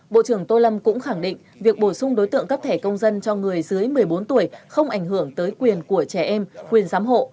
bộ trưởng tô lâm cũng khẳng định việc bổ sung đối tượng cấp thẻ công dân cho người dưới một mươi bốn tuổi không ảnh hưởng tới quyền của trẻ em quyền giám hộ